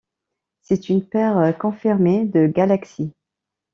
C'est une paire confirmée de galaxies.